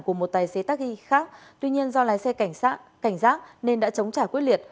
của một tài xế taxi khác tuy nhiên do lái xe cảnh giác nên đã chống trả quyết liệt